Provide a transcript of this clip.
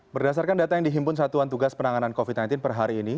berdasarkan data yang dihimpun satuan tugas penanganan covid sembilan belas per hari ini